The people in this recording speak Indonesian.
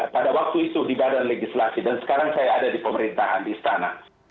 pada waktu itu di badan legislasi dan sekarang saya ada di pemerintahan di istana